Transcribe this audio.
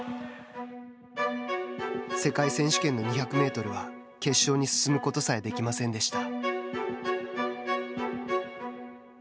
世界選手権の２００メートルは決勝に進むことさえできませんでした。